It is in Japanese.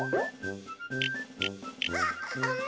あっあめ！